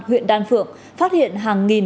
huyện đan phượng phát hiện hàng nghìn